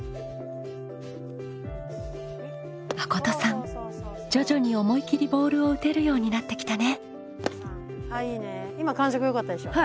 まことさん徐々に思い切りボールを打てるようになってきたね。